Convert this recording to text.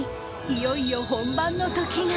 いよいよ本番の時が